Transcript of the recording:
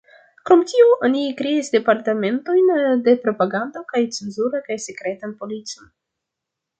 Krom tio, oni kreis departementojn de propagando kaj cenzuro kaj sekretan policon.